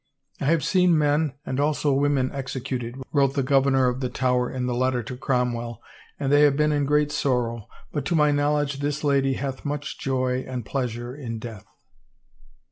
I have seen men and also women executed," wrote the governor of the Tower in the letter to Cromwell, " and they have been in great sorrow, but to my knowl edge this lady hath much joy and pleasure in death."